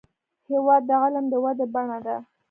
هېواد د علم د ودې بڼه ده.